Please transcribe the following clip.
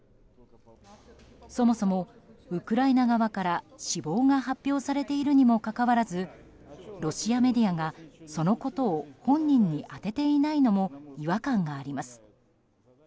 そもそもウクライナ側から死亡が発表されているにもかかわらずロシアメディアがそのことを本人に当てていないのも違和感があります。